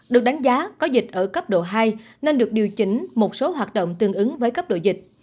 được đánh giá có dịch ở cấp độ hai nên được điều chỉnh một số hoạt động tương ứng với cấp độ dịch